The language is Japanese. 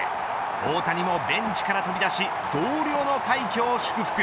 大谷もベンチから飛び出し同僚の快挙を祝福。